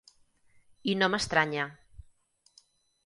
I no m'estranya.